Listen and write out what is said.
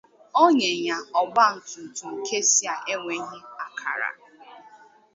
onye nya ọgbaatumtum Kasea enweghị ákàrà.